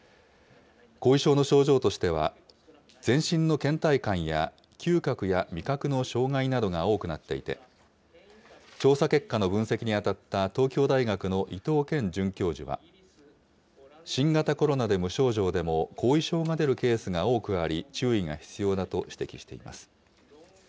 後遺症の症状としては、全身のけん怠感や嗅覚や味覚の障害などが多くなっていて、調査結果の分析に当たった東京大学の伊東乾准教授は、新型コロナで無症状でも、後遺症が出るケースが多くあり、注意が必要だと指摘しています。